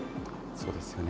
そうですね。